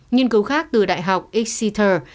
nhân cứu khác từ đại học exeter